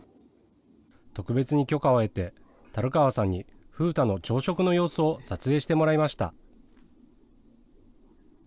特別に許可を得て、樽川さんに風太の朝食の様子を撮影してもらいました。